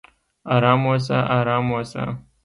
"ارام اوسه! ارام اوسه!"